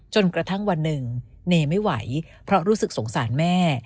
จนกระทั่งวันหนึ่งเนไม่ไหวเพราะรู้สึกสงสารแม่